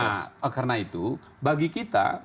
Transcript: nah karena itu bagi kita